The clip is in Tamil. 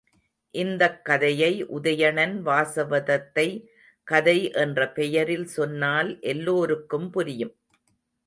இந்தக் கதையை உதயணன் வாசவதத்தை கதை என்ற பெயரில் சொன்னால் எல்லோருக்கும் புரியும்.